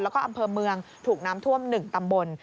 แล้วก็อำเภอเมืองถูกน้ำท่วม๑ตำบล